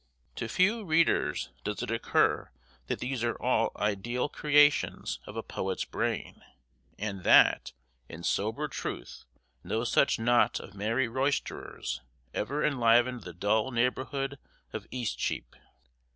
To few readers does it occur that these are all ideal creations of a poet's brain, and that, in sober truth, no such knot of merry roisterers ever enlivened the dull neighborhood of Eastcheap.